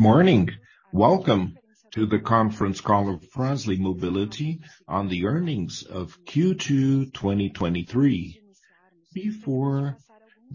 Good morning. Welcome to the conference call of Fras-le Mobility on the earnings of Q2, 2023. Before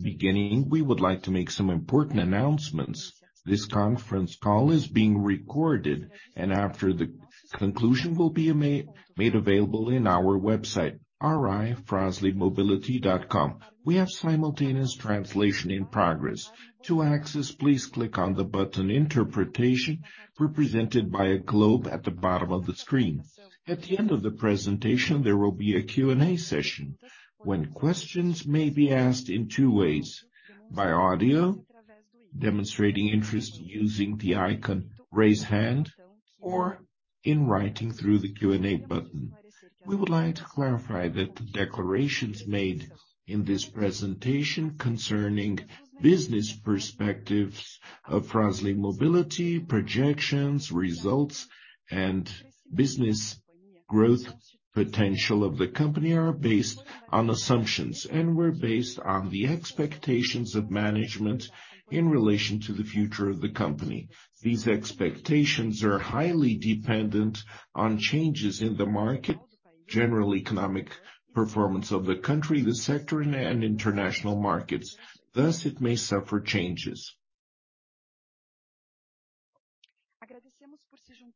beginning, we would like to make some important announcements. This conference call is being recorded, and after the conclusion, will be made available in our website, ri.fraslemobility.com. We have simultaneous translation in progress. To access, please click on the button Interpretation, represented by a globe at the bottom of the screen. At the end of the presentation, there will be a Q&A session, when questions may be asked in two ways: by audio, demonstrating interest using the icon Raise Hand, or in writing through the Q&A button. We would like to clarify that the declarations made in this presentation concerning business perspectives of Fras-le Mobility, projections, results, and business growth potential of the company are based on assumptions, and were based on the expectations of management in relation to the future of the company. These expectations are highly dependent on changes in the market, general economic performance of the country, the sector, and international markets. Thus, it may suffer changes.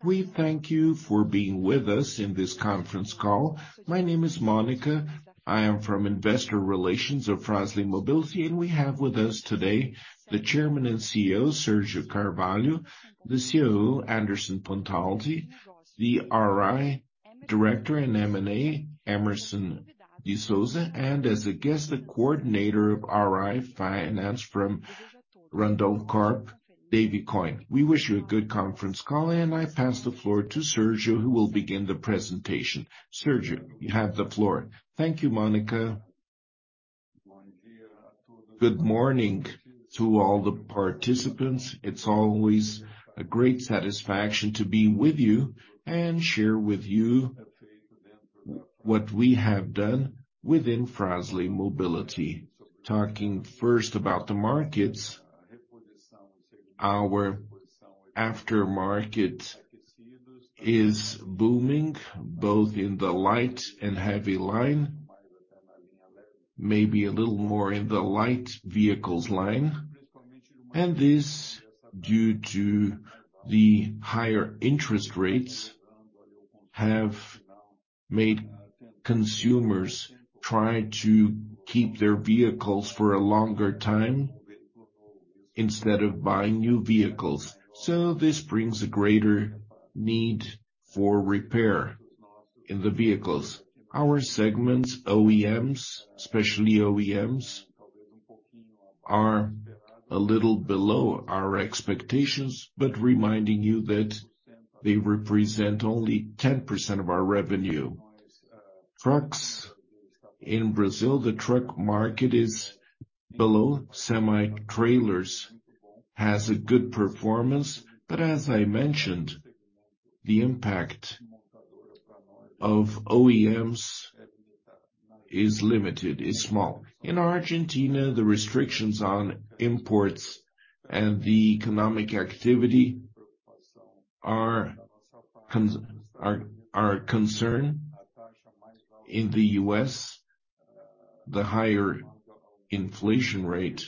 We thank you for being with us in this conference call. My name is Monica. I am from Investor Relations of Fras-le Mobility, and we have with us today the Chairman and CEO, Sérgio L. Carvalho, the CEO, Anderson Pontalti, the RI Director in M&A, Hemerson de Souza, and as a guest, the coordinator of RI Finance from Randoncorp, Davi Coin. We wish you a good conference call. I pass the floor to Sérgio, who will begin the presentation. Sérgio, you have the floor. Thank you, Monica. Good morning to all the participants. It's always a great satisfaction to be with you and share with you what we have done withinFras-le Mobility. Talking first about the markets, our aftermarket is booming, both in the light and heavy line, maybe a little more in the light vehicles line. This, due to the higher interest rates, have made consumers try to keep their vehicles for a longer time instead of buying new vehicles. This brings a greater need for repair in the vehicles. Our segments, OEMs, especially OEMs, are a little below our expectations, but reminding you that they represent only 10% of our revenue. Trucks in Brazil, the truck market is below. Semi-trailers has a good performance. As I mentioned, the impact of OEMs is limited, is small. In Argentina, the restrictions on imports and the economic activity are a concern. In the U.S., the higher inflation rate,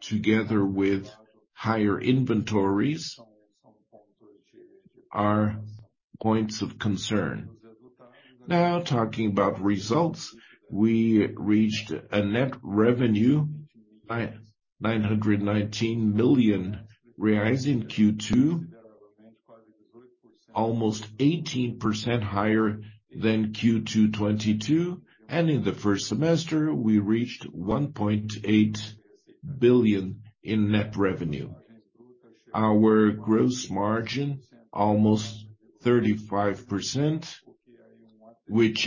together with higher inventories, are points of concern. Talking about results, we reached a net revenue, 919 million reais in Q2, almost 18% higher than Q2 2022. In the first semester, we reached 1.8 billion in net revenue. Our gross margin, almost 35%, which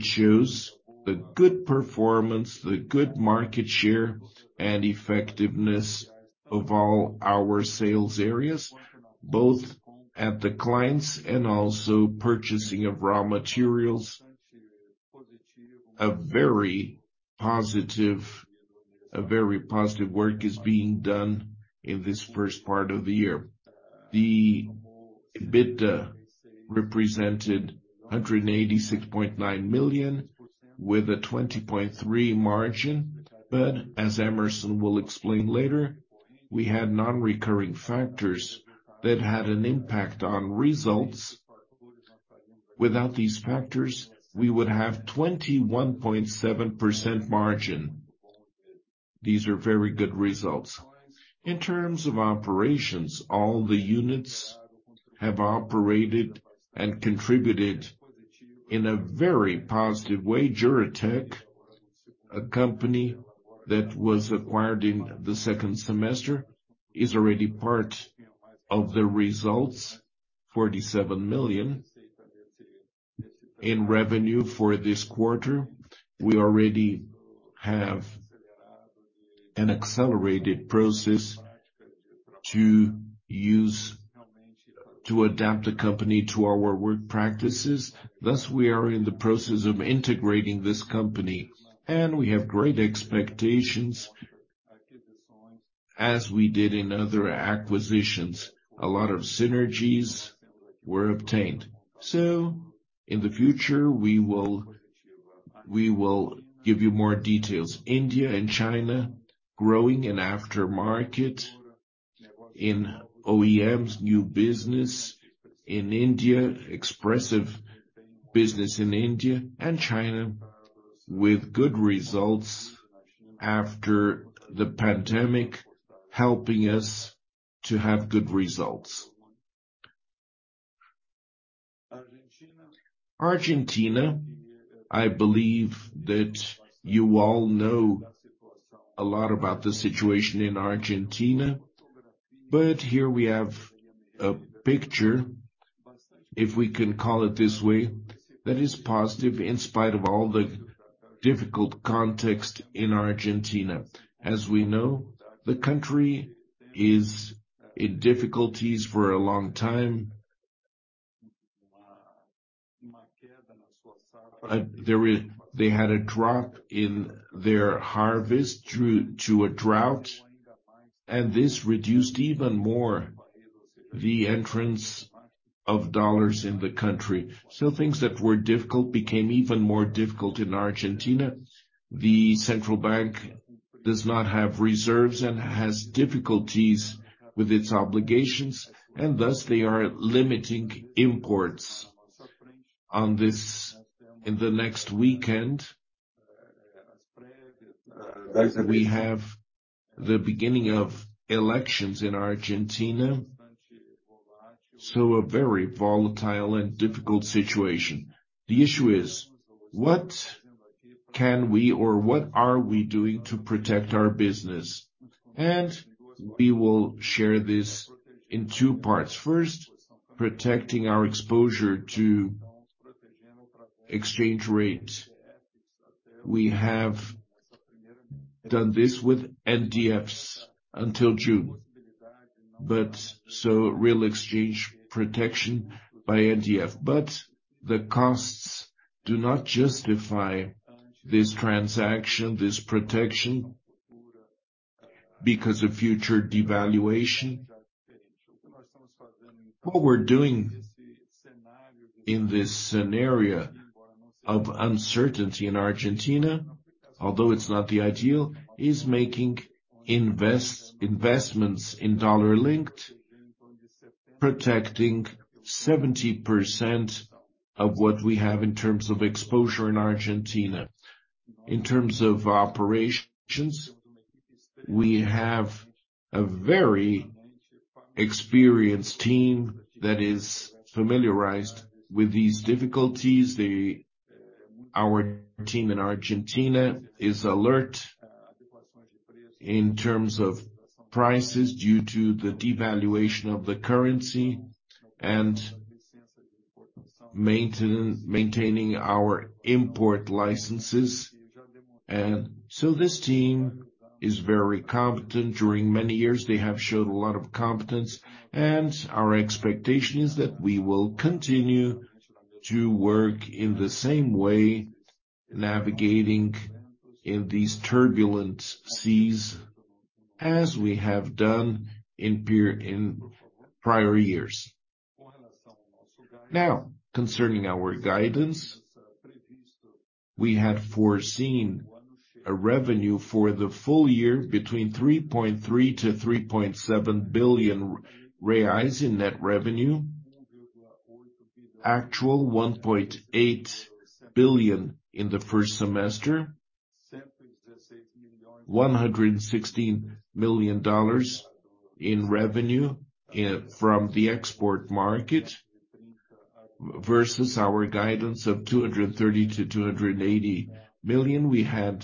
shows the good performance, the good market share, and effectiveness of all our sales areas, both at the clients and also purchasing of raw materials. A very positive, a very positive work is being done in this first part of the year. The EBITDA represented 186.9 million, with a 20.3% margin. As Hemerson will explain later, we had non-recurring factors that had an impact on results. Without these factors, we would have 21.7% margin. These are very good results. In terms of operations, all the units have operated and contributed in a very positive way. Juratek, a company that was acquired in the second semester, is already part of the results, 47 million in revenue for this quarter. We already have an accelerated process to adapt the company to our work practices, thus we are in the process of integrating this company, and we have great expectations as we did in other acquisitions. A lot of synergies were obtained. In the future, we will, we will give you more details. India and China, growing in aftermarket. In OEMs, new business. In India, expressive business in India and China, with good results after the pandemic, helping us to have good results. Argentina, I believe that you all know a lot about the situation in Argentina, but here we have a picture, if we can call it this way, that is positive in spite of all the difficult context in Argentina. As we know, the country is in difficulties for a long time. there is- they had a drop in their harvest due to a drought, and this reduced even more the entrance of dollars in the country. Things that were difficult became even more difficult in Argentina. The central bank does not have reserves and has difficulties with its obligations, and thus they are limiting imports. On this, in the next weekend, we have the beginning of elections in Argentina, so a very volatile and difficult situation. The issue is: What can we or what are we doing to protect our business? We will share this in two parts. First, protecting our exposure to exchange rates. We have done this with NDFs until June, but so real exchange protection by NDF. The costs do not justify this transaction, this protection, because of future devaluation. What we're doing in this scenario of uncertainty in Argentina, although it's not the ideal, is making investments in dollar-linked, protecting 70% of what we have in terms of exposure in Argentina. In terms of operations, we have a very experienced team that is familiarized with these difficulties. Our team in Argentina is alert in terms of prices due to the devaluation of the currency and maintaining our import licenses. This team is very competent. During many years, they have showed a lot of competence, and our expectation is that we will continue to work in the same way, navigating in these turbulent seas, as we have done in prior years. Now, concerning our guidance, we had foreseen a revenue for the full year between 3.3 billion-3.7 billion reais in net revenue. Actual, 1.8 billion in the first semester, $116 million in revenue from the export market, versus our guidance of $230 million-$280 million.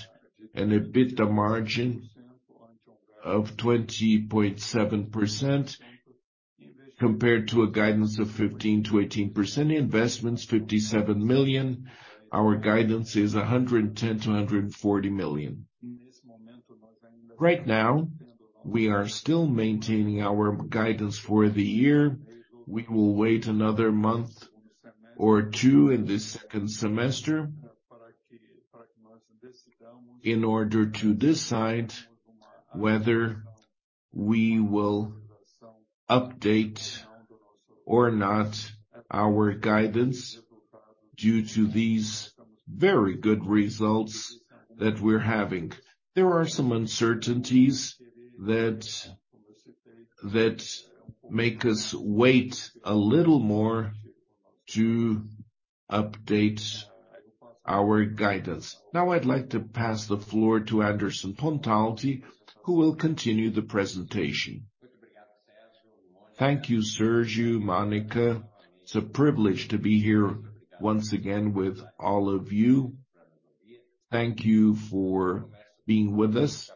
We had an EBITDA margin of 20.7%, compared to a guidance of 15%-18%. Investments, 57 million. Our guidance is 110 million-140 million. Right now, we are still maintaining our guidance for the year. We will wait another month or two in this second semester, in order to decide whether we will update or not our guidance due to these very good results that we're having. There are some uncertainties that make us wait a little more to update our guidance. Now, I'd like to pass the floor to Anderson Pontalti, who will continue the presentation. Thank you, Sergio, Monica. It's a privilege to be here once again with all of you. Thank you for being with us.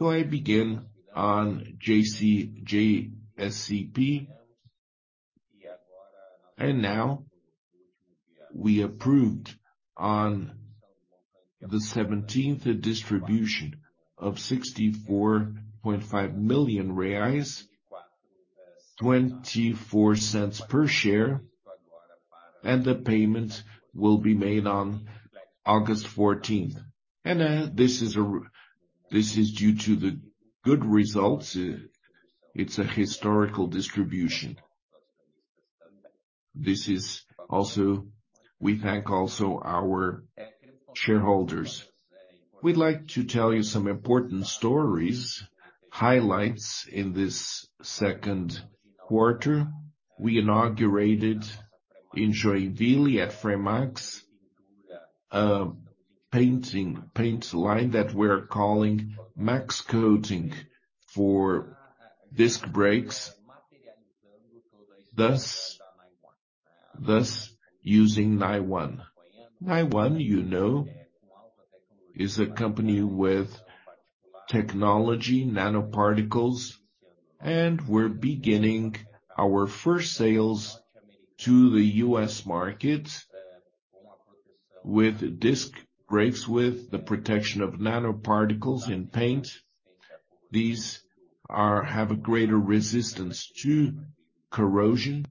I begin on JSCP. Now, we approved on the 17th, a distribution of 64.5 million reais, 0.24 per share, and the payment will be made on August 14th. This is due to the good results. It's a historical distribution. We thank also our shareholders. We'd like to tell you some important stories, highlights in this Q2. We inaugurated in Joinville, at Fremax, painting, paint line that we're calling Maxcoating for disc brakes, thus, thus using Nione. Nione, you know, is a company with technology, nanoparticles, and we're beginning our first sales to the U.S. market with disc brakes, with the protection of nanoparticles in paint. Have a greater resistance to corrosion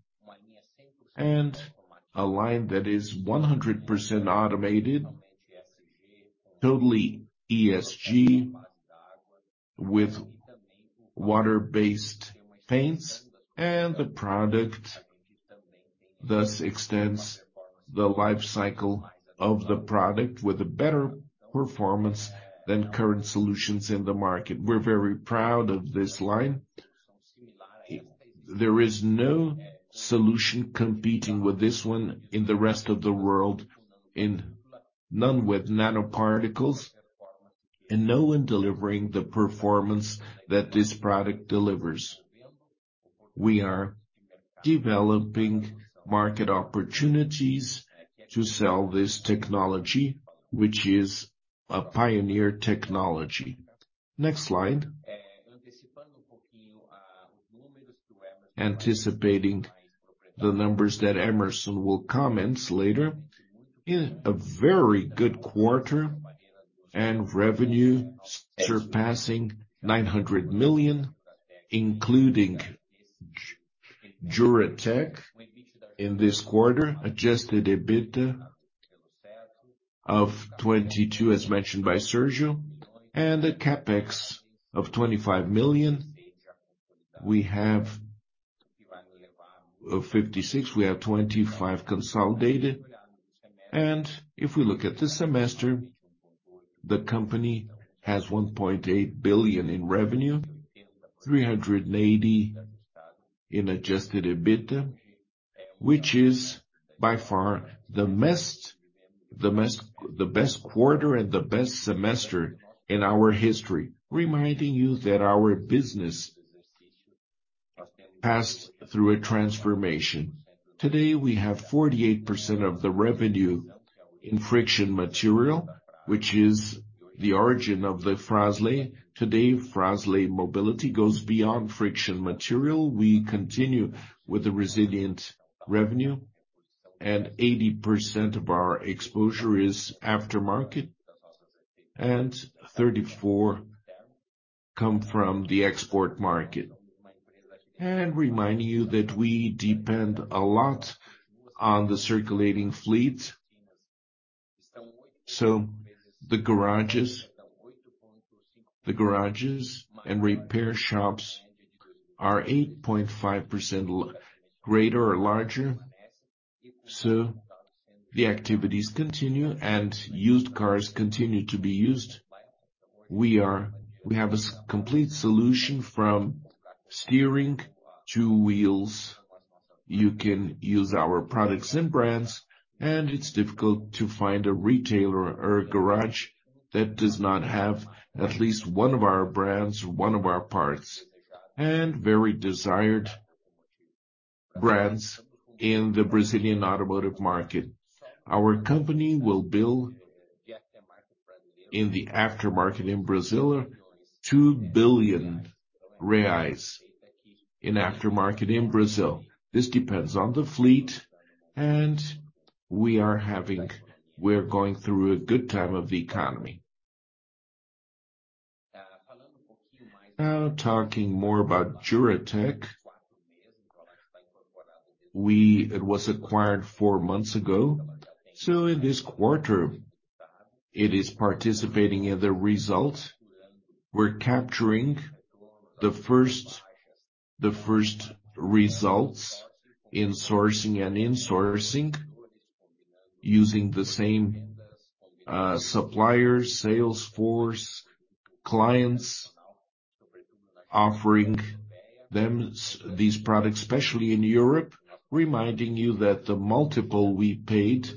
and a line that is 100% automated, totally ESG, with water-based paints, and the product thus extends the life cycle of the product with a better performance than current solutions in the market. We're very proud of this line. There is no solution competing with this one in the rest of the world, and none with nanoparticles, and no one delivering the performance that this product delivers. We are developing market opportunities to sell this technology, which is a pioneer technology. Next slide. Anticipating the numbers that Hemerson will comment later, in a very good quarter, revenue surpassing BRL 900 million, including Juratek in this quarter, adjusted EBITDA of 22, as mentioned by Sérgio, a CapEx of 25 million. We have of 56, we have 25 consolidated. If we look at this semester, the company has 1.8 billion in revenue, 380 in adjusted EBITDA, which is by far the best quarter and the best semester in our history. Reminding you that our business passed through a transformation. Today, we have 48% of the revenue in friction material, which is the origin of the Fras-le. Today, Fras-le Mobility goes beyond friction material. We continue with the resilient revenue. 80% of our exposure is aftermarket. 34 come from the export market. Reminding you that we depend a lot on the circulating fleet, so the garages, the garages and repair shops are 8.5% greater or larger. The activities continue and used cars continue to be used. We have a complete solution from steering to wheels. You can use our products and brands. It's difficult to find a retailer or a garage that does not have at least one of our brands, one of our parts. Very desired brands in the Brazilian automotive market. Our company will build in the aftermarket in Brazil, 2 billion reais in aftermarket in Brazil. This depends on the fleet. We're going through a good time of the economy. Now, talking more about Juratek. It was acquired four months ago, so in this quarter, it is participating in the result. We're capturing the first results in sourcing and insourcing, using the same suppliers, sales force, clients, offering them these products, especially in Europe. Reminding you that the multiple we paid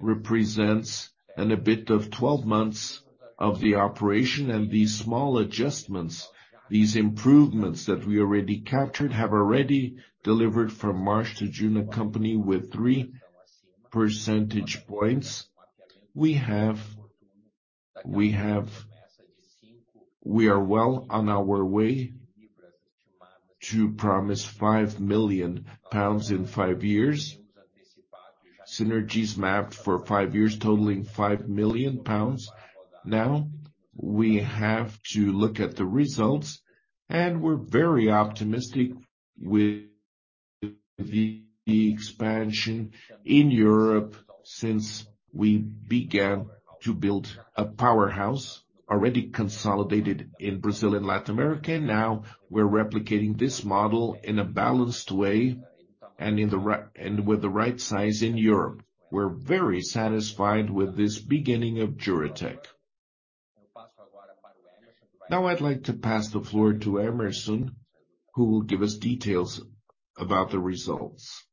represents an EBITDA of 12 months of the operation, and these small adjustments, these improvements that we already captured, have already delivered from March to June, a company with three percentage points. We are well on our way to promise 5 million pounds in five years. Synergies mapped for five years, totaling 5 million pounds. We have to look at the results, and we're very optimistic with the expansion in Europe since we began to build a powerhouse already consolidated in Brazil and Latin America. We're replicating this model in a balanced way, and with the right size in Europe. We're very satisfied with this beginning of Juratek. I'd like to pass the floor to Hemerson, who will give us details about the results.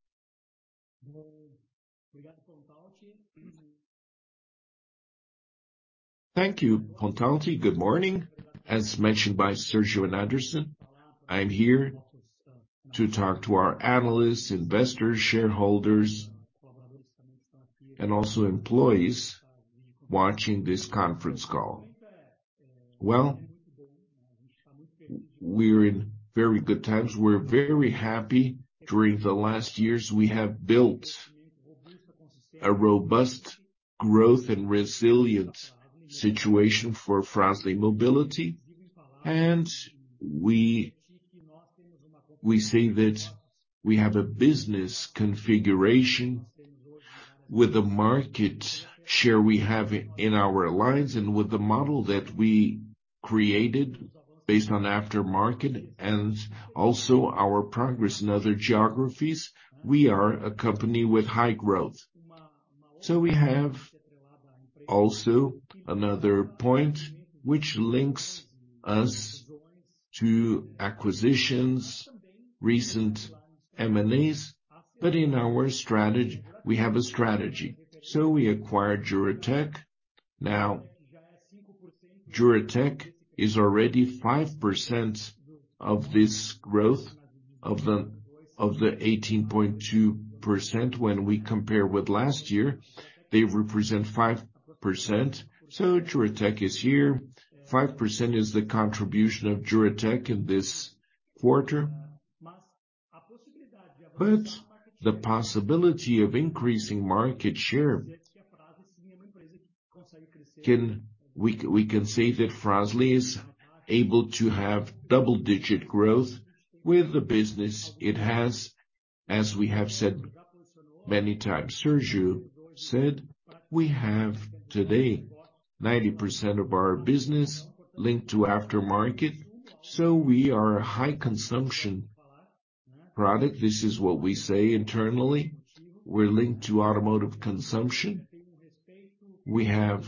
Thank you, Pontalti. Good morning. As mentioned by Sérgio and Anderson, I'm here to talk to our analysts, investors, shareholders, and also employees watching this conference call. Well, we're in very good times. We're very happy. During the last years, we have built a robust growth and resilient situation for Fras-le Mobility, we say that we have a business configuration with the market share we have in our lines, and with the model that we created based on aftermarket and also our progress in other geographies, we are a company with high growth. We have also another point which links us to acquisitions, recent M&As. In our strategy, we have a strategy. We acquired Juratec. Now, Juratec is already 5% of this growth, of the 18.2%. When we compare with last year, they represent 5%, so Juratec is here. 5% is the contribution of Juratec in this quarter. The possibility of increasing market share, we can say that Fras-le is able to have double-digit growth with the business it has. As we have said many times, Sérgio said, "We have today 90% of our business linked to aftermarket," so we are a high-consumption product. This is what we say internally. We're linked to automotive consumption. We have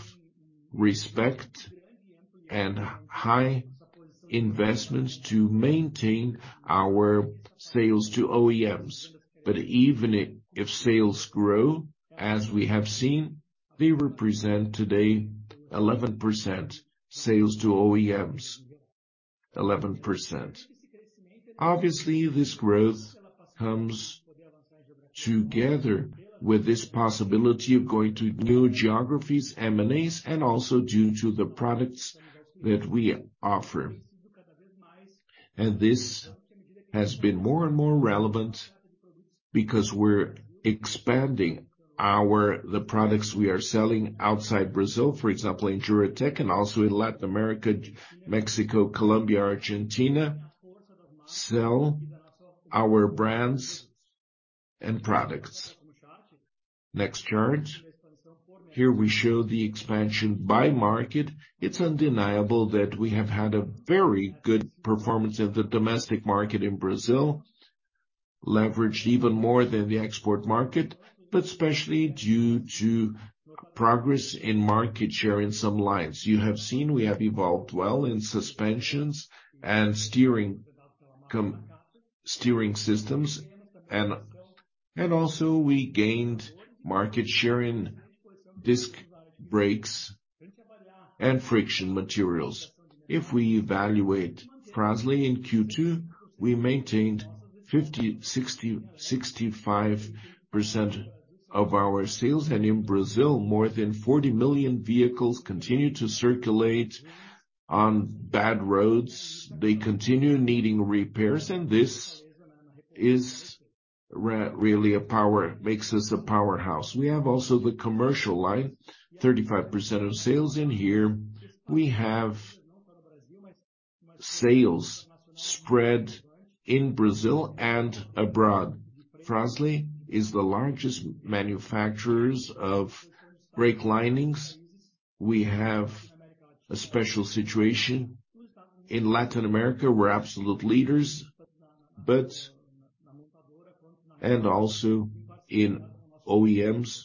respect and high investments to maintain our sales to OEMs. Even if sales grow, as we have seen, they represent today 11% sales to OEMs, 11%. Obviously, this growth comes together with this possibility of going to new geographies, M&As, and also due to the products that we offer. This has been more and more relevant because we're expanding our the products we are selling outside Brazil, for example, in Juratek and also in Latin America, Mexico, Colombia, Argentina, sell our brands and products. Next chart. Here, we show the expansion by market. It's undeniable that we have had a very good performance in the domestic market in Brazil, leveraged even more than the export market, but especially due to progress in market share in some lines. You have seen, we have evolved well in suspensions and steering systems, and also we gained market share in disc brakes and friction materials. If we evaluate Fras-le in Q2, we maintained 50%, 60%, 65% of our sales. In Brazil, more than 40 million vehicles continue to circulate on bad roads. They continue needing repairs, and this is really a power, makes us a powerhouse. We have also the commercial line, 35% of sales in here. We have sales spread in Brazil and abroad. Fras-le is the largest manufacturers of brake linings. In Latin America, we're absolute leaders, and also in OEMs.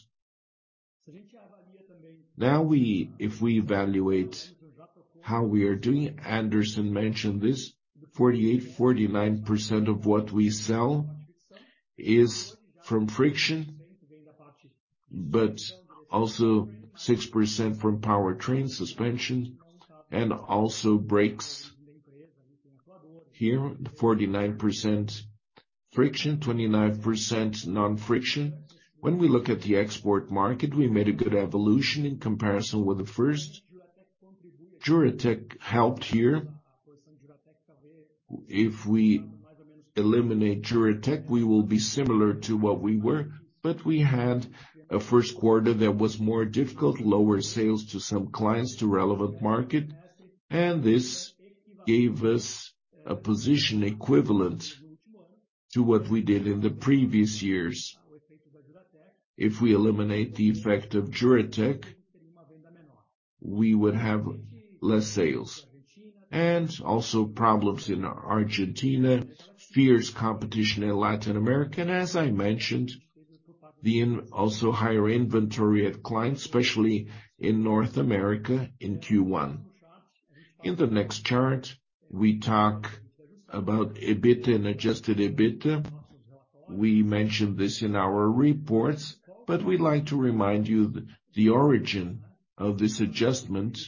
If we evaluate how we are doing, Anderson mentioned this, 48%-49% of what we sell is from friction, but also 6% from powertrain suspension and also brakes. Here, 49% friction, 29% non-friction. When we look at the export market, we made a good evolution in comparison with the first-... Juratek helped here. If we eliminate Juratek, we will be similar to what we were. We had a Q1 that was more difficult, lower sales to some clients, to relevant market, and this gave us a position equivalent to what we did in the previous years. If we eliminate the effect of Juratek, we would have less sales and also problems in Argentina, fierce competition in Latin America. As I mentioned, the higher inventory of clients, especially in North America, in Q1. In the next chart, we talk about EBIT and adjusted EBIT. We mentioned this in our reports, we'd like to remind you the origin of this adjustment.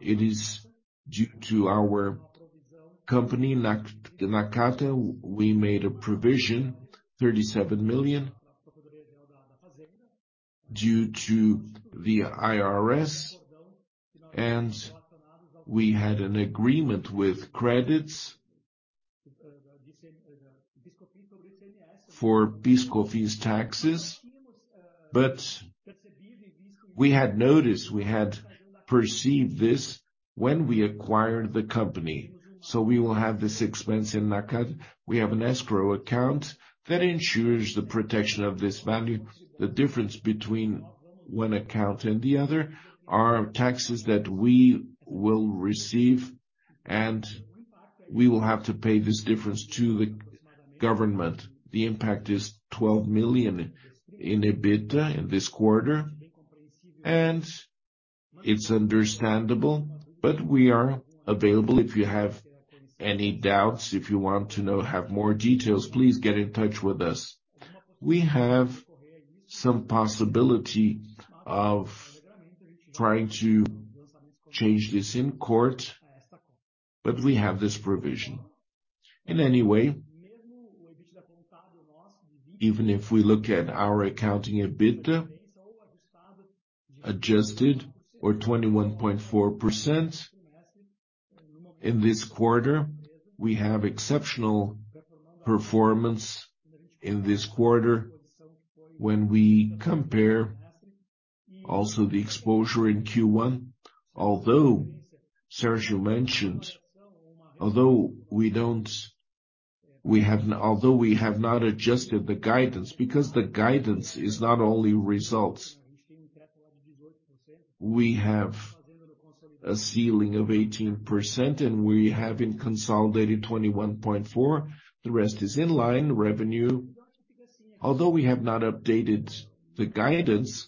It is due to our company, Nakata. We made a provision, 37 million, due to the IRS, we had an agreement with credits for PIS/COFINS taxes. We had noticed, we had perceived this when we acquired the company, we will have this expense in Nakata. We have an escrow account that ensures the protection of this value. The difference between one account and the other are taxes that we will receive, and we will have to pay this difference to the government. The impact is 12 million in EBIT in this quarter, and it's understandable, but we are available. If you have any doubts, if you want to know, have more details, please get in touch with us. We have some possibility of trying to change this in court, but we have this provision. In any way, even if we look at our accounting, EBIT, adjusted or 21.4% in this quarter, we have exceptional performance in this quarter when we compare also the exposure in Q1. Although Sérgio mentioned, although we have not adjusted the guidance, because the guidance is not only results. We have a ceiling of 18%, and we have in consolidated 21.4%. The rest is in line revenue. Although we have not updated the guidance,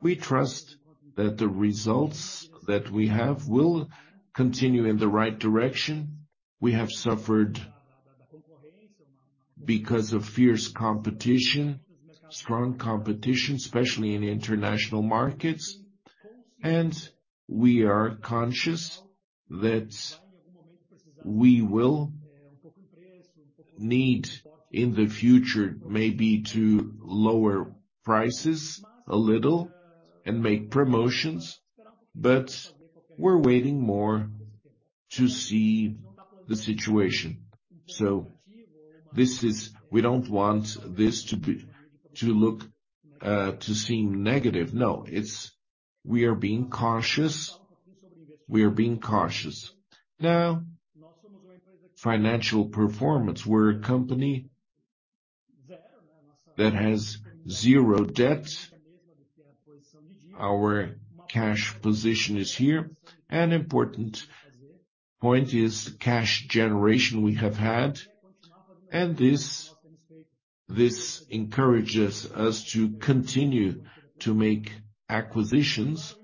we trust that the results that we have will continue in the right direction. We have suffered because of fierce competition, strong competition, especially in international markets, and we are conscious that we will need, in the future, maybe to lower prices a little and make promotions, but we're waiting more to see the situation. This is. We don't want this to be, to look, to seem negative. No, it's we are being cautious. We are being cautious. Financial performance. We're a company that has zero debt. Our cash position is here, and important point is cash generation we have had, and this encourages us to continue to make acquisitions.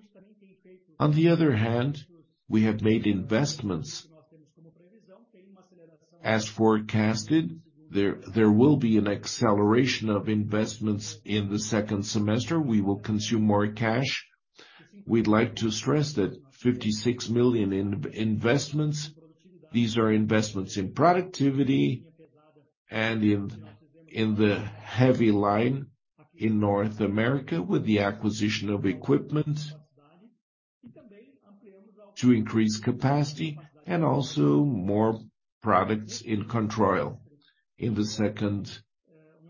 On the other hand, we have made investments. As forecasted, there, there will be an acceleration of investments in the second semester. We will consume more cash. We'd like to stress that 56 million in investments, these are investments in productivity and in, in the heavy line in North America, with the acquisition of equipment to increase capacity and also more products in Controil. In the second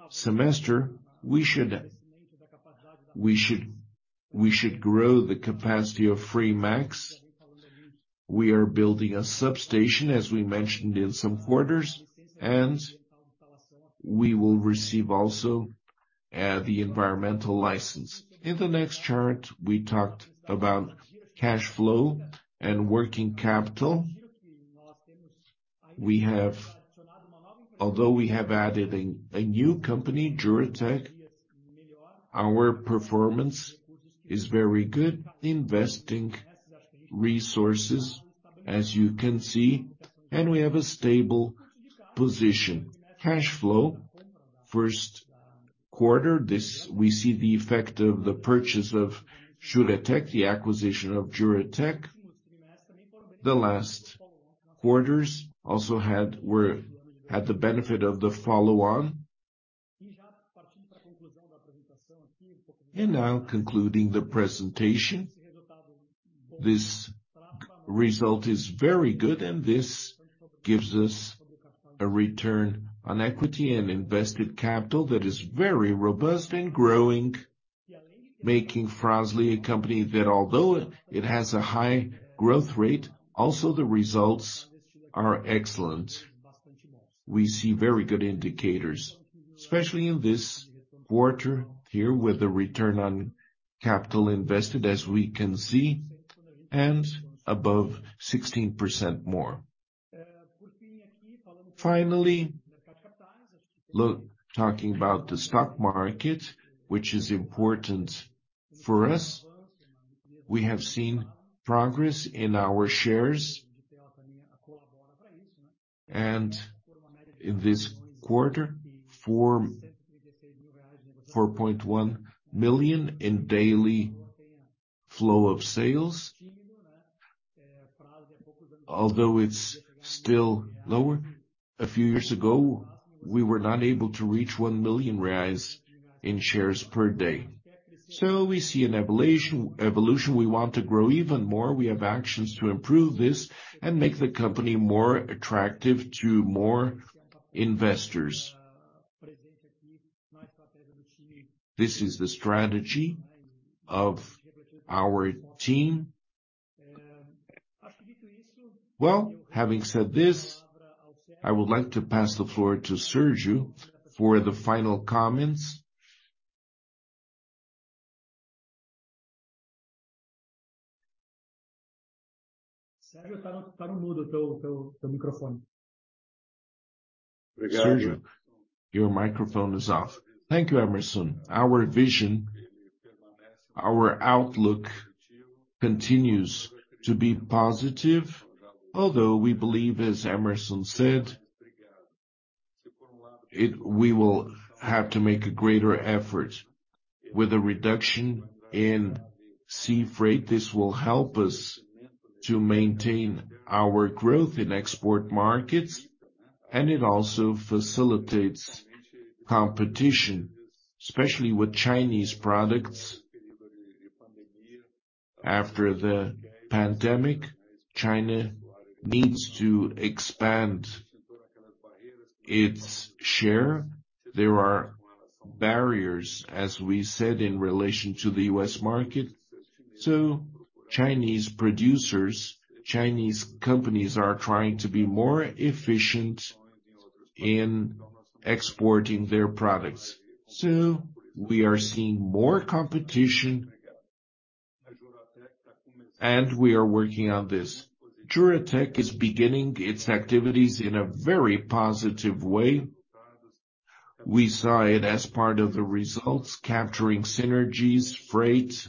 semester, we should, we should, we should grow the capacity of Fremax. We are building a substation, as we mentioned, in some quarters, and we will receive also the environmental license. In the next chart, we talked about cash flow and working capital. We have Although we have added a, a new company, Juratek, our performance is very good, investing resources, as you can see, and we have a stable position. Cash flow, Q1, this, we see the effect of the purchase of Juratek, the acquisition of Juratek. The last quarters also had the benefit of the follow-on. Now concluding the presentation, this result is very good, and this gives us a Return on Equity and invested capital that is very robust and growing, making Fras-le a company that although it has a high growth rate, also the results are excellent. We see very good indicators, especially in this quarter here, with the return on capital invested, as we can see, and above 16% more. Finally, look, talking about the stock market, which is important for us. We have seen progress in our shares. In this quarter, 4.1 million in daily flow of sales. Although it's still lower, a few years ago, we were not able to reach 1 million reais in shares per day. We see an evolution. We want to grow even more. We have actions to improve this and make the company more attractive to more investors. This is the strategy of our team. Well, having said this, I would like to pass the floor to Sérgio for the final comments. Sérgio, your microphone is off. Thank you, Hemerson. Our vision, our outlook continues to be positive, although we believe, as Hemerson said, we will have to make a greater effort with a reduction in sea freight. This will help us to maintain our growth in export markets, it also facilitates competition, especially with Chinese products. After the pandemic, China needs to expand its share. There are barriers, as we said, in relation to the US market. Chinese producers, Chinese companies, are trying to be more efficient in exporting their products. We are seeing more competition, we are working on this. Juratec is beginning its activities in a very positive way. We saw it as part of the results, capturing synergies, freight,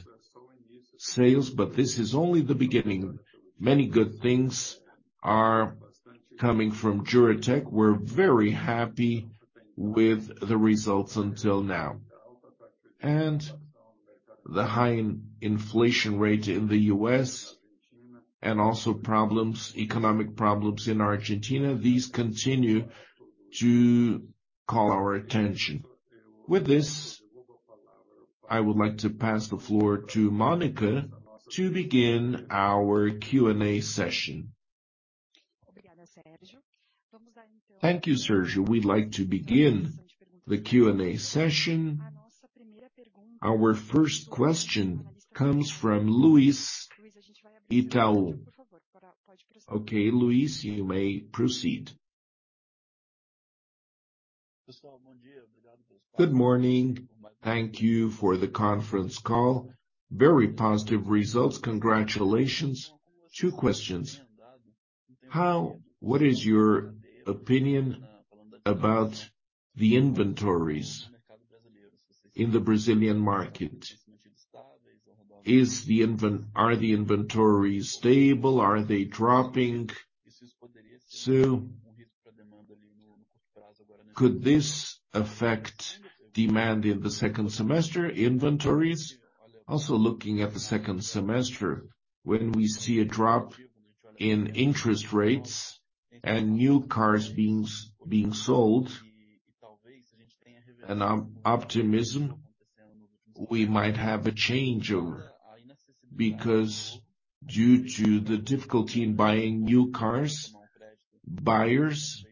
sales. This is only the beginning. Many good things are coming from Juratek. We're very happy with the results until now. The high inflation rate in the U.S. and also problems, economic problems in Argentina, these continue to call our attention. With this, I would like to pass the floor to Monica to begin our Q&A session. Thank you, Sergio. We'd like to begin the Q&A session. Our first question comes from Luiz Otavio Italo. Okay, Luis, you may proceed. Good morning. Thank you for the conference call. Very positive results. Congratulations. Two questions: What is your opinion about the inventories in the Brazilian market? Are the inventories stable? Are they dropping? Could this affect demand in the second semester inventories? Looking at the second semester, when we see a drop in interest rates and new cars being sold and optimism, we might have a changeover, because due to the difficulty in buying new cars, buyers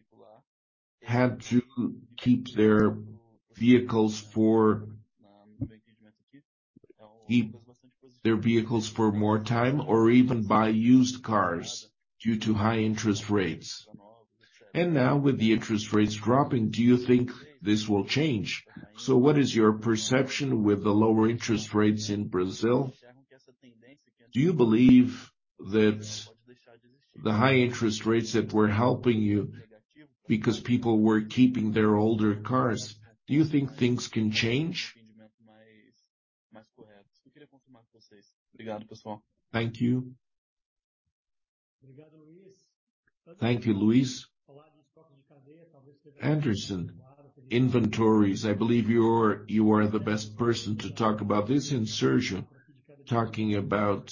had to keep their vehicles for more time or even buy used cars due to high interest rates. Now, with the interest rates dropping, do you think this will change? What is your perception with the lower interest rates in Brazil? Do you believe that the high interest rates that were helping you because people were keeping their older cars, do you think things can change? Thank you. Thank you, Luis. Anderson, inventories, I believe you are the best person to talk about this, and Sergio, talking about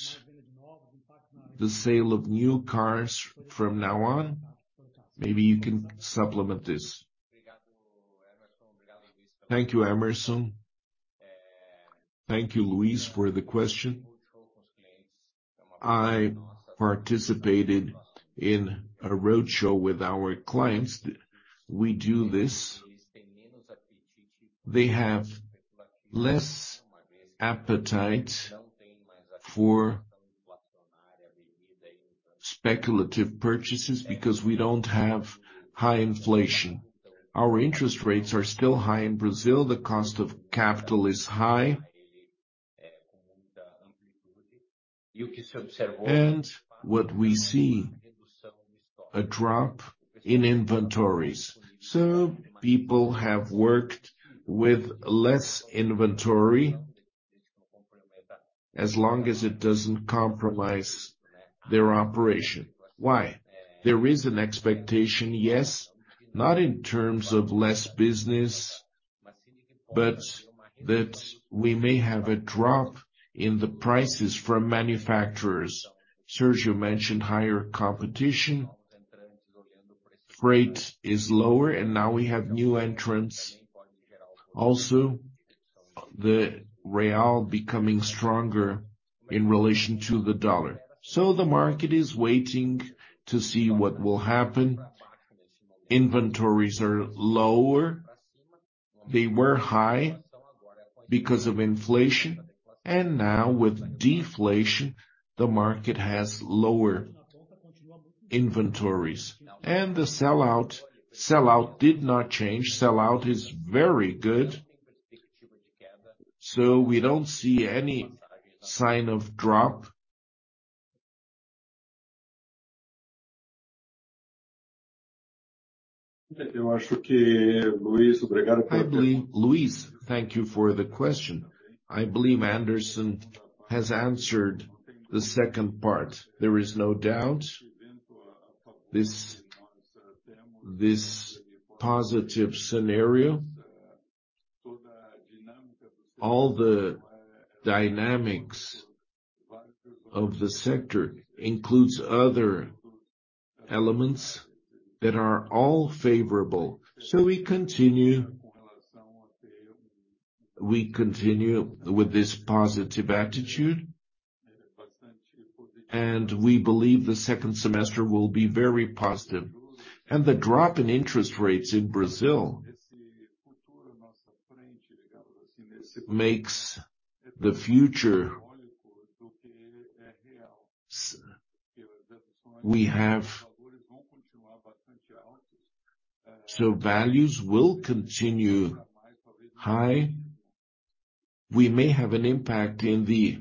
the sale of new cars from now on? Maybe you can supplement this. Thank you, Hemerson. Thank you, Luis, for the question. I participated in a roadshow with our clients. We do this. They have less appetite for speculative purchases because we don't have high inflation. Our interest rates are still high in Brazil, the cost of capital is high. What we see, a drop in inventories. People have worked with less inventory, as long as it doesn't compromise their operation. Why? There is an expectation, yes, not in terms of less business, but that we may have a drop in the prices from manufacturers. Sergio mentioned higher competition. Freight is lower, and now we have new entrants. Also, the real becoming stronger in relation to the dollar. The market is waiting to see what will happen. Inventories are lower. They were high because of inflation, and now with deflation, the market has lower inventories. The sell-out, sell-out did not change. Sell-out is very good, so we don't see any sign of drop. I believe, Luis, thank you for the question. I believe Anderson has answered the second part. There is no doubt, this positive scenario, all the dynamics of the sector includes other elements that are all favorable. We continue with this positive attitude, and we believe the second semester will be very positive. The drop in interest rates in Brazil makes the future... So values will continue high. We may have an impact in the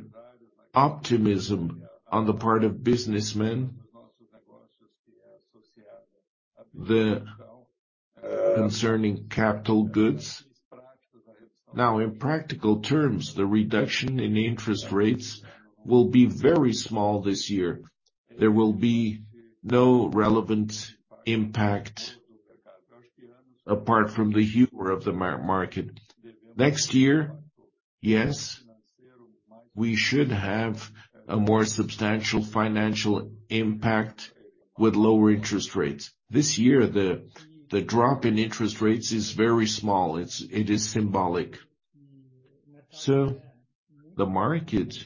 optimism on the part of businessmen, concerning capital goods. Now, in practical terms, the reduction in interest rates will be very small this year. There will be no relevant impact, apart from the humor of the market. Next year, yes, we should have a more substantial financial impact with lower interest rates. This year, the drop in interest rates is very small. It's, it is symbolic. The market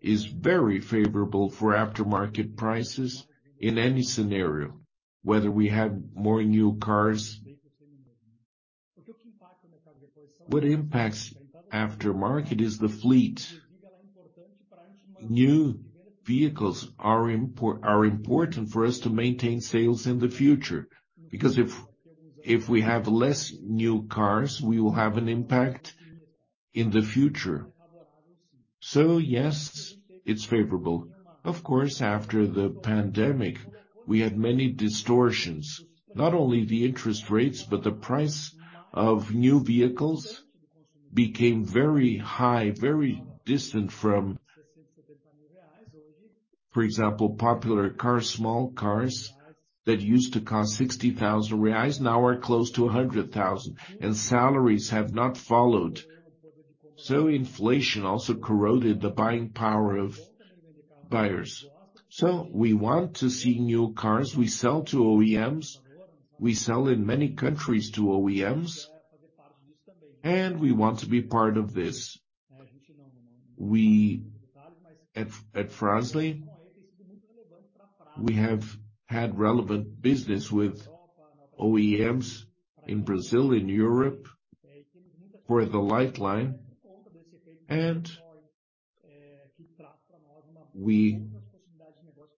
is very favorable for aftermarket prices in any scenario, whether we have more new cars. What impacts aftermarket is the fleet. New vehicles are important for us to maintain sales in the future, because if, if we have less new cars, we will have an impact in the future. Yes, it's favorable. Of course, after the pandemic, we had many distortions. Not only the interest rates, but the price of new vehicles became very high, very distant from, for example, popular cars, small cars, that used to cost 60,000 reais, now are close to 100,000, and salaries have not followed. Inflation also corroded the buying power of buyers. We want to see new cars. We sell to OEMs, we sell in many countries to OEMs, and we want to be part of this. We, at, at Fras-le, we have had relevant business with OEMs in Brazil, in Europe, for the light line, and we,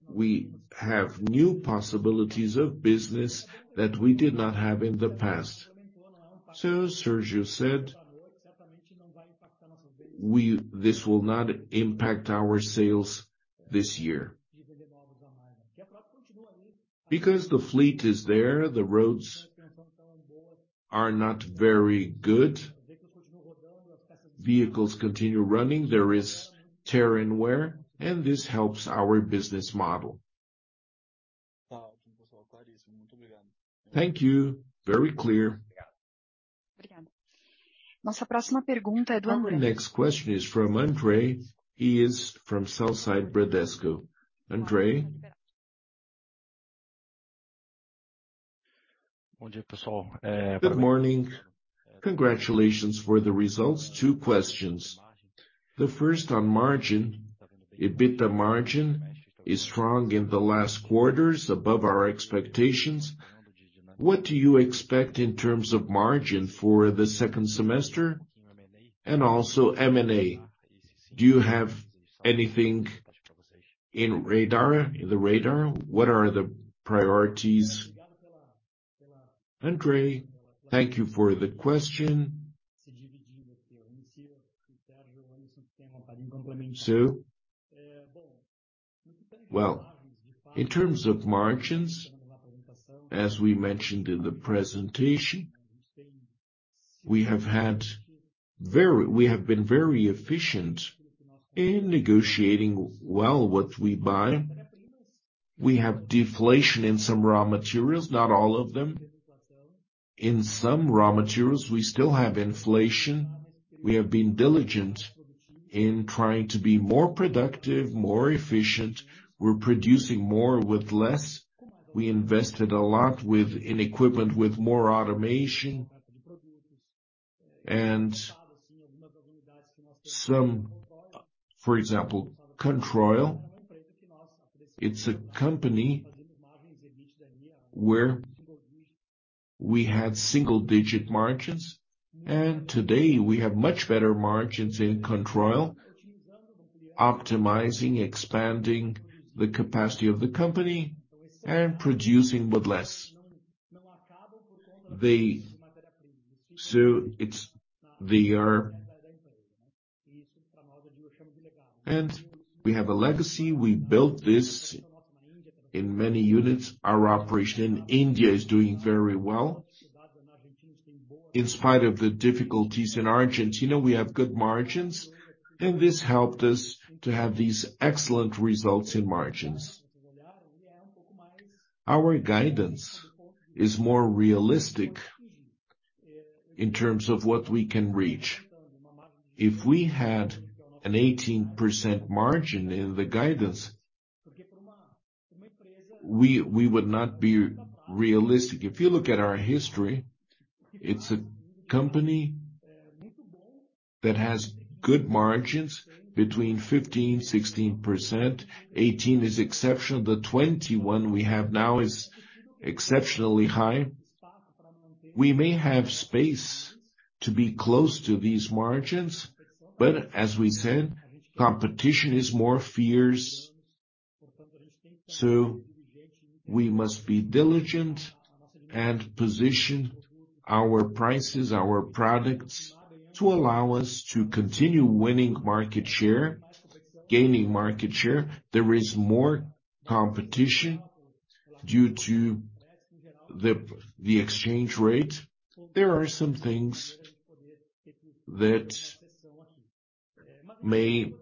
we have new possibilities of business that we did not have in the past. Sergio said, this will not impact our sales this year. The fleet is there, the roads are not very good, vehicles continue running, there is tear and wear, and this helps our business model. Thank you. Very clear. Our next question is from Andre. He is from sell-side Bradesco BBI. Andre? Good morning. Congratulations for the results. Two questions. The first on margin. EBITDA margin is strong in the last quarters, above our expectations. What do you expect in terms of margin for the second semester, and also M&A? Do you have anything in radar, in the radar? What are the priorities? Andre, thank you for the question. Well, in terms of margins, as we mentioned in the presentation, we have been very efficient in negotiating well what we buy. We have deflation in some raw materials, not all of them. In some raw materials, we still have inflation. We have been diligent in trying to be more productive, more efficient. We're producing more with less. We invested a lot with, in equipment, with more automation and some, for example, Controil. It's a company where we had single-digit margins, and today we have much better margins in Controil, optimizing, expanding the capacity of the company and producing with less. They are... We have a legacy. We built this in many units. Our operation in India is doing very well. In spite of the difficulties in Argentina, we have good margins, and this helped us to have these excellent results in margins. Our guidance is more realistic in terms of what we can reach. If we had an 18% margin in the guidance, we would not be realistic. If you look at our history, it's a company that has good margins between 15%, 16%. 18 is exceptional. The 21 we have now is exceptionally high. We may have space to be close to these margins, but as we said, competition is more fierce, so we must be diligent and position our prices, our products, to allow us to continue winning market share, gaining market share. There is more competition due to the, the exchange rate. There are some things that may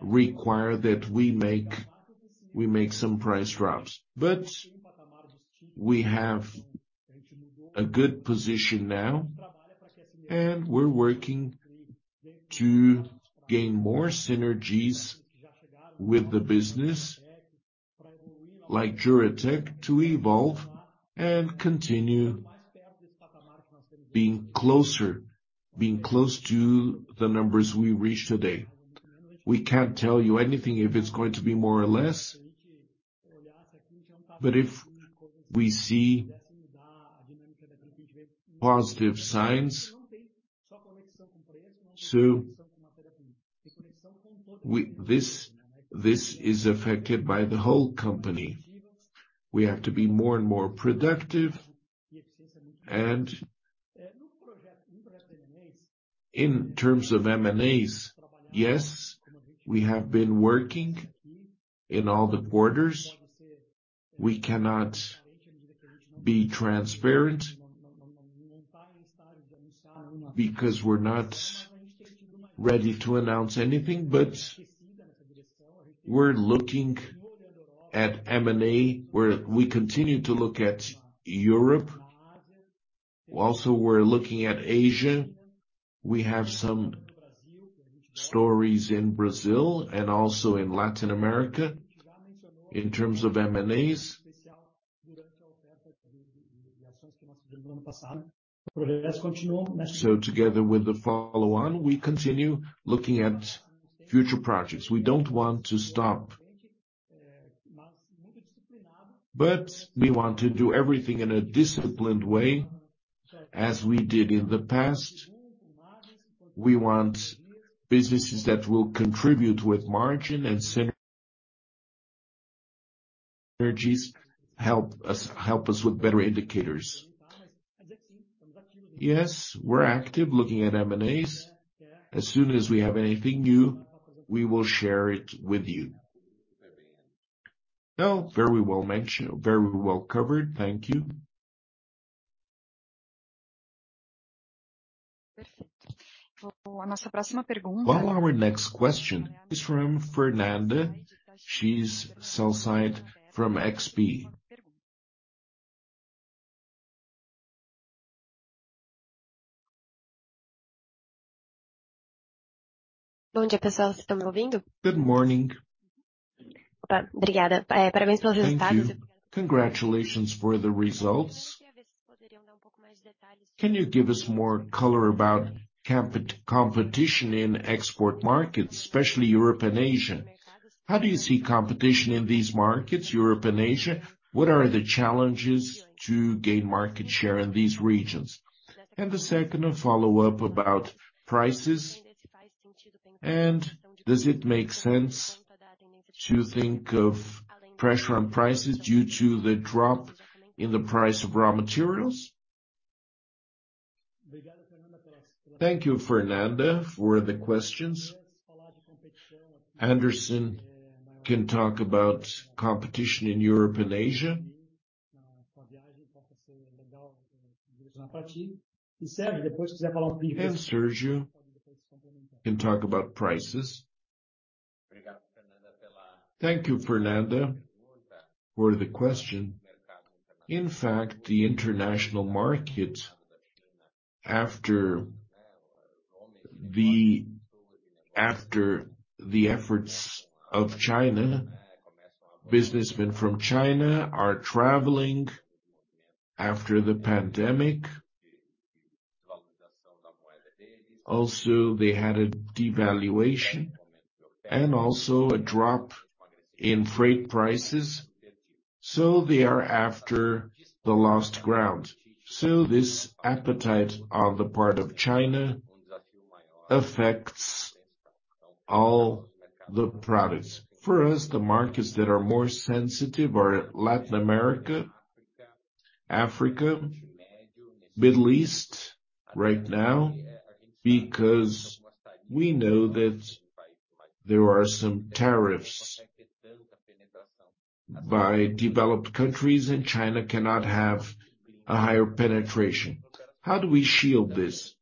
require that we make, we make some price drops. We have a good position now, and we're working to gain more synergies with the business, like Juratek, to evolve and continue being closer, being close to the numbers we reach today. We can't tell you anything, if it's going to be more or less, but if we see positive signs, this, this is affected by the whole company. We have to be more and more productive. In terms of M&As, yes, we have been working in all the quarters. We cannot be transparent because we're not ready to announce anything, but we're looking at M&A, where we continue to look at Europe. We're looking at Asia. We have some stories in Brazil and also in Latin America in terms of M&As. Together with the follow-on, we continue looking at future projects. We don't want to stop, but we want to do everything in a disciplined way, as we did in the past. We want businesses that will contribute with margin and synergies, help us, help us with better indicators. Yes, we're active looking at M&As. As soon as we have anything new, we will share it with you. Very well mentioned. Very well covered. Thank you. Our next question is from Fernanda. She's sell-side from XP. Good day, pessoal. You guys hear me? Good morning. Opa, thank you. Congratulations for the results. Thank you. Congratulations for the results. I wanted to see if you could give a little more details. Can you give us more color about competition in export markets, especially Europe and Asia? How do you see competition in these markets, Europe and Asia? What are the challenges to gain market share in these regions? The second, a follow-up about prices, and does it make sense to think of pressure on prices due to the drop in the price of raw materials? Thank you, Fernanda, for the questions. Anderson can talk about competition in Europe and Asia. Sergio can talk about prices. Thank you, Fernanda, for the question. In fact, the international market, after the, after the efforts of China, businessmen from China are traveling after the pandemic. Also, they had a devaluation and also a drop in freight prices, so they are after the lost ground. This appetite on the part of China affects all the products. For us, the markets that are more sensitive are Latin America, Africa, Middle East right now, because we know that there are some tariffs by developed countries, and China cannot have a higher penetration. How do we shield this?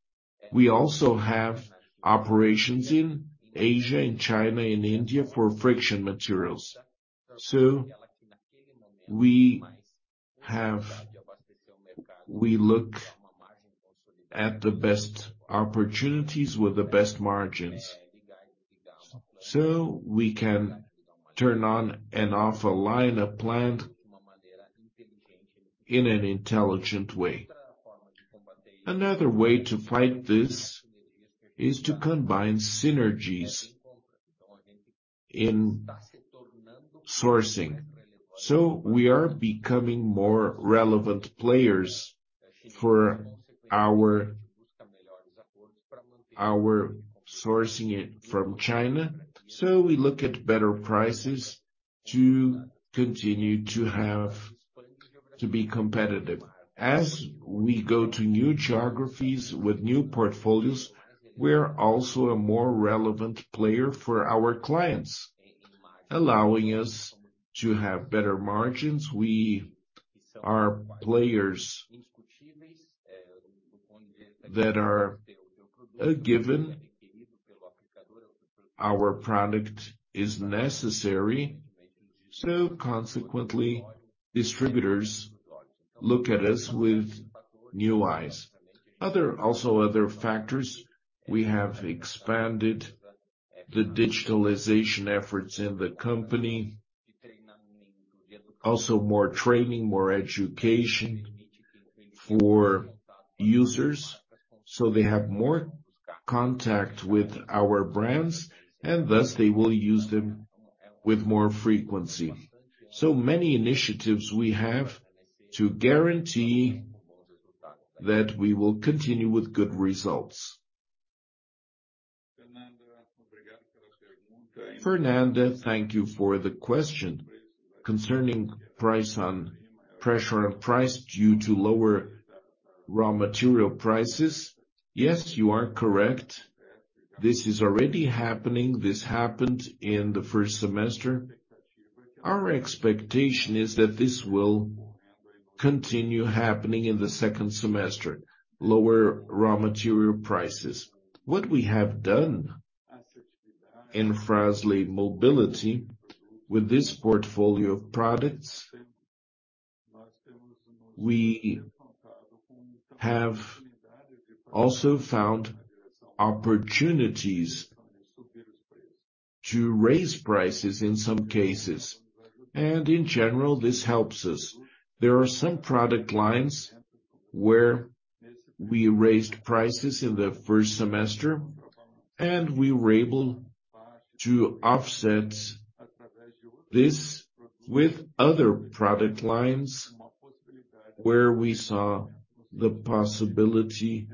We also have operations in Asia, in China, and India for friction materials. We look at the best opportunities with the best margins, so we can turn on and off a line, a plant, in an intelligent way. Another way to fight this is to combine synergies in sourcing. We are becoming more relevant players for our, our sourcing it from China, so we look at better prices to continue to have... to be competitive. As we go to new geographies with new portfolios, we're also a more relevant player for our clients, allowing us to have better margins. We are players that are a given. Our product is necessary, so consequently, distributors look at us with new eyes. Other factors, we have expanded the digitalization efforts in the company. More training, more education for users, so they have more contact with our brands, and thus they will use them with more frequency. Many initiatives we have to guarantee that we will continue with good results. Fernanda, thank you for the question. Concerning pressure on price due to lower raw material prices, yes, you are correct. This is already happening. This happened in the first semester. Our expectation is that this will continue happening in the second semester, lower raw material prices. What we have done in Fras-le Mobility with this portfolio of products, we have also found opportunities to raise prices in some cases, and in general, this helps us. There are some product lines where we raised prices in the first semester, and we were able to offset this with other product lines, where we saw the possibility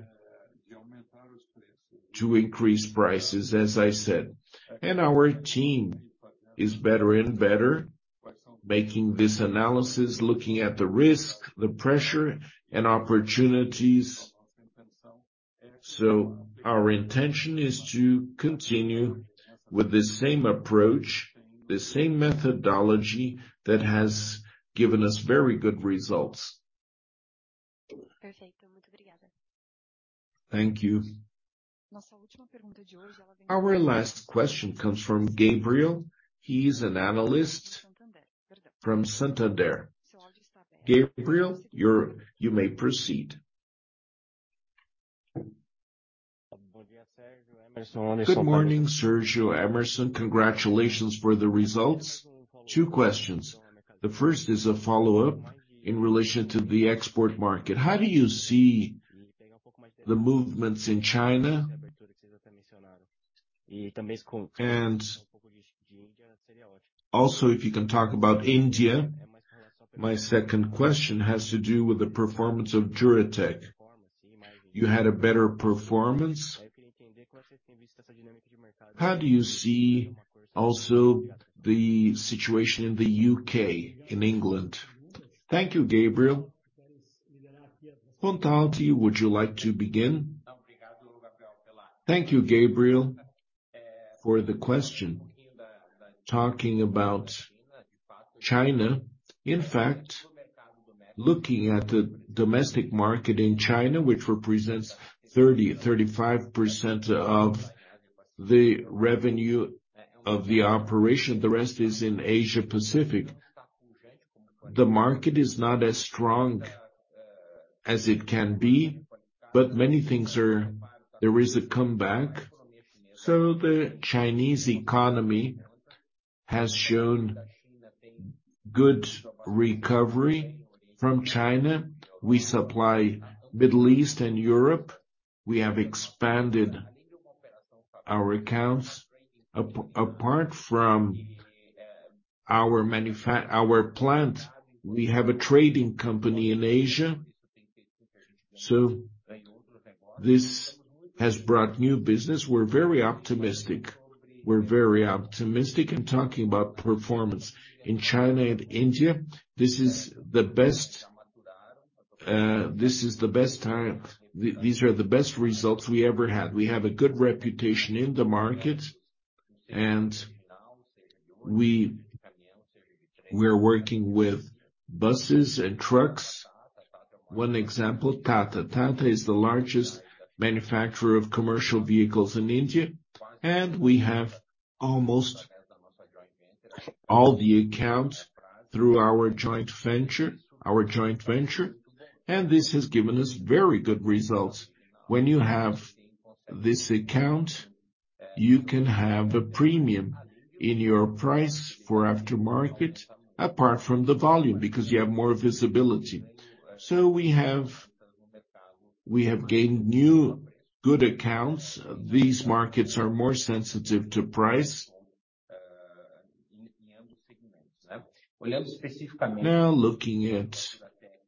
to increase prices, as I said. Our team is better and better, making this analysis, looking at the risk, the pressure, and opportunities. Our intention is to continue with the same approach, the same methodology that has given us very good results. Perfeito. Muito obrigada. Thank you. Nossa última pergunta de hoje. Our last question comes from Gabriel. He's an analyst from Banco Santander. Gabriel, you may proceed. Good morning, Sérgio, Hemerson. Congratulations for the results. Two questions. The first is a follow-up in relation to the export market. How do you see the movements in China? Also, if you can talk about India. My second question has to do with the performance of Juratek. You had a better performance. How do you see also the situation in the UK, in England? Thank you, Gabriel. Montalti, would you like to begin? Thank you, Gabriel, for the question. Talking about China, in fact, looking at the domestic market in China, which represents 30%-35% of the revenue of the operation, the rest is in Asia-Pacific. The market is not as strong as it can be, but many things are. There is a comeback. The Chinese economy has shown good recovery from China. We supply Middle East and Europe. We have expanded our accounts. Apart from our plant, we have a trading company in Asia, this has brought new business. We're very optimistic. We're very optimistic in talking about performance. In China and India, this is the best, this is the best time. These are the best results we ever had. We have a good reputation in the market, and we, we're working with buses and trucks. One example, Tata. Tata is the largest manufacturer of commercial vehicles in India, and we have almost all the accounts through our joint venture, our joint venture, and this has given us very good results. When you have this account, you can have a premium in your price for aftermarket, apart from the volume, because you have more visibility. We have, we have gained new good accounts. These markets are more sensitive to price. Looking at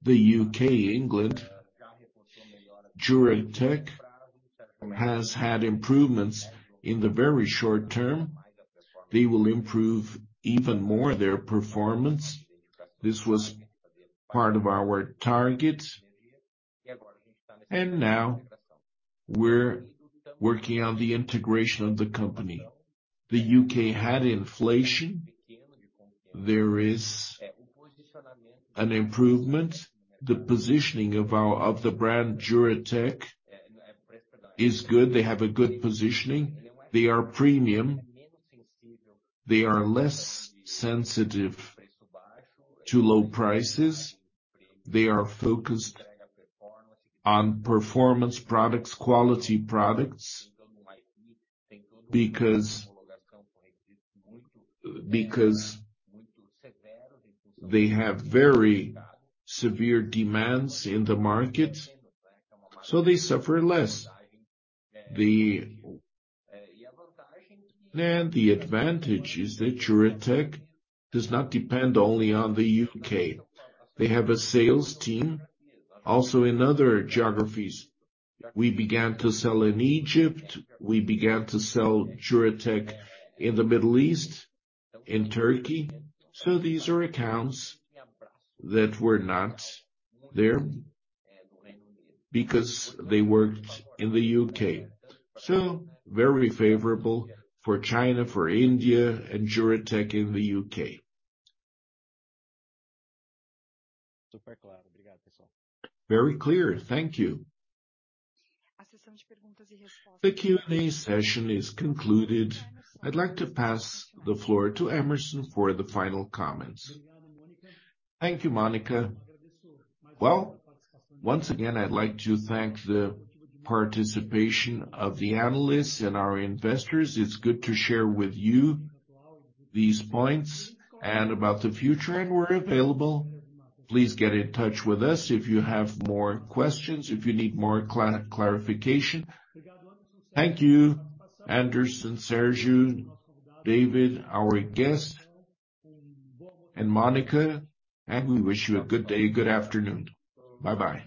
the UK, England, Juratek has had improvements in the very short term. They will improve even more their performance. This was part of our target. Now we're working on the integration of the company. The U.K. had inflation. There is an improvement. The positioning of the brand, Juratek, is good. They have a good positioning. They are premium. They are less sensitive to low prices. They are focused on performance products, quality products, because they have very severe demands in the market, so they suffer less. The advantage is that Juratek does not depend only on the U.K. They have a sales team, also in other geographies. We began to sell in Egypt, we began to sell Juratek in the Middle East, in Turkey. These are accounts that were not there because they worked in the U.K. Very favorable for China, for India, and Juratek in the U.K. Very clear. Thank you. The Q&A session is concluded. I'd like to pass the floor to Hemerson for the final comments. Thank you, Monica. Well, once again, I'd like to thank the participation of the analysts and our investors. It's good to share with you these points and about the future, and we're available. Please get in touch with us if you have more questions, if you need more clarification. Thank you, Anderson, Sergio, David, our guest, and Monica, and we wish you a good day. Good afternoon. Bye-bye.